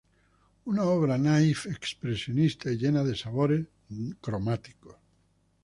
Una obra naïf expresionista y llena de sabores cromáticos.